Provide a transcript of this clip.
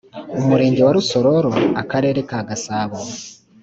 Umurenge wa Rusororo Akarere ka Gasabo